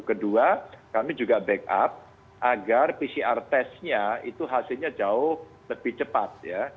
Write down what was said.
kedua kami juga backup agar pcr testnya itu hasilnya jauh lebih cepat ya